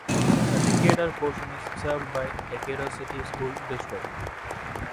The Decatur portion is served by Decatur City School District.